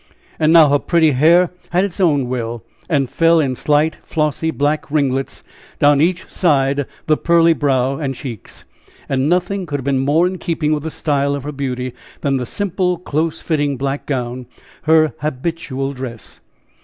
And now her pretty hair had its own will, and fell in slight, flossy black ringlets down each side the pearly brow and cheeks; and nothing could have been more in keeping with the style of her beauty than the simple, close fitting black gown, her habitual dress.